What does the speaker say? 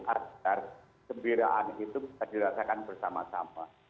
agar kembiraan itu bisa dirasakan bersama sama